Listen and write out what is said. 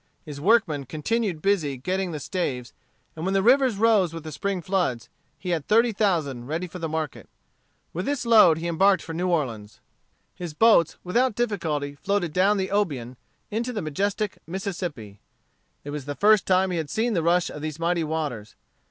His workmen continued busy getting the staves, and when the rivers rose with the spring floods, he had thirty thousand ready for the market. With this load he embarked for New Orleans. His boats without difficulty floated down the Obion into the majestic Mississippi. It was the first time he had seen the rush of these mighty waters.